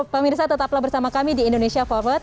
pak mirsa tetaplah bersama kami di indonesia forward